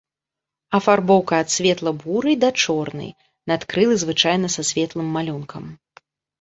Афарбоўка ад светла-бурай да чорнай, надкрылы звычайна са светлым малюнкам.